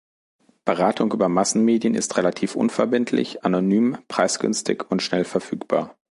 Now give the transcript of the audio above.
Beratung über Massenmedien ist relativ unverbindlich, anonym, preisgünstig und schnell verfügbar.